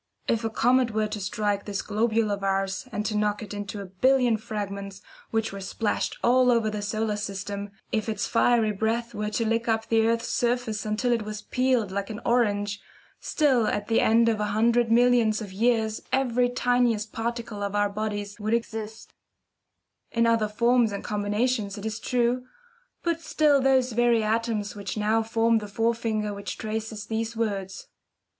If a comet were to strike this globule of ours, and to knock it into a billion fragments, which were splashed all over the solar system if its fiery breath were to lick up the earth's surface until it was peeled like an orange, still at the end of a hundred millions of years every tiniest particle of our bodies would exist in other forms and combinations, it is true, but still those very atoms which now form the forefinger which traces these words.